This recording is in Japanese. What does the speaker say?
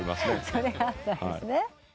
それがあったんですね。